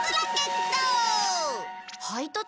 配達？